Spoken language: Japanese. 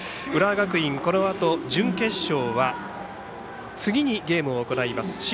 浦和学院、このあと準決勝は次にゲームを行います